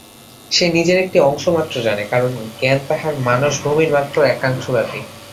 সে নিজের একটি অংশমাত্র জানে, কারণ জ্ঞান তাঁহার মানসভূমির মাত্র একাংশব্যাপী।